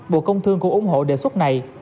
bộ công thương cũng ủng hộ đề xuất này